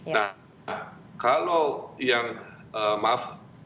nah kalau yang maaf